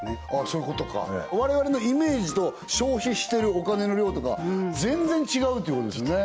そういうことか我々のイメージと消費してるお金の量とか全然違うっていうことですね